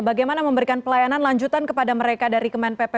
bagaimana memberikan pelayanan lanjutan kepada mereka dari kemen pp